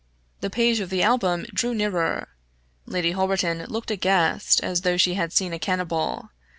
The page of the album drew nearer. Lady Holberton looked aghast, as though she had seen a cannibal.